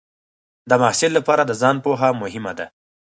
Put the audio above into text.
د محصل لپاره د ځان پوهه مهمه ده.